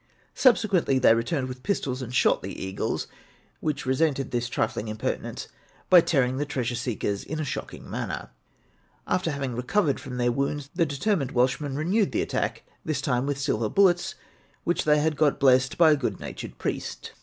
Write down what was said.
Subsequently they returned with pistols and shot the eagles, which resented this trifling impertinence by tearing the treasure seekers in a shocking manner. After having recovered from their wounds, the determined Welshmen renewed the attack this time with silver bullets, which they had got blessed by a good natured priest.